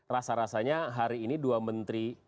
rasa rasanya hari ini dua menteri